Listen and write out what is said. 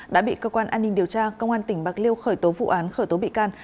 đã bị cơ quan an ninh điều tra công an tỉnh bạc liêu khởi tố vụ án khởi tố bị can